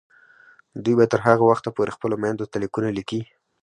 دوی به تر هغه وخته پورې خپلو میندو ته لیکونه لیکي.